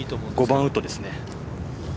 ５番ウッドですね。